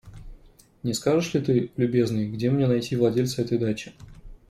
Не скажешь ли ты, любезный, где мне найти владельца этой дачи?